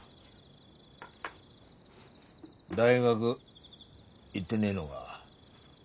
大学行ってねえのが？